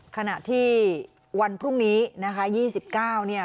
ขณะที่วันพรุ่งนี้นะคะยี่สิบเก้าเนี่ย